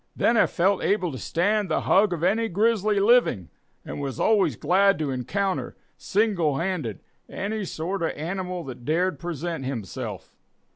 Then I felt able to stand the hug of any grizzly living, and was always glad to encounter, single handed, any sort of an animal that dared present himself.